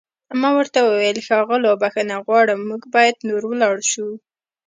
ما ورته وویل: ښاغلو، بښنه غواړم موږ باید نور ولاړ شو.